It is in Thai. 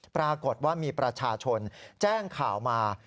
ปรากฏว่ามีประชาชนแจ้งข่าวมา